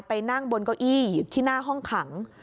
ไปนั่งบนเก้าอี้อยู่ที่หน้าห้องขัง